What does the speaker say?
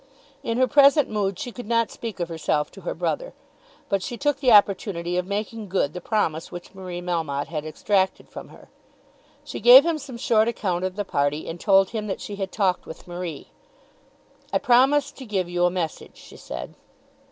In her present mood she could not speak of herself to her brother, but she took the opportunity of making good the promise which Marie Melmotte had extracted from her. She gave him some short account of the party, and told him that she had talked with Marie. "I promised to give you a message," she said.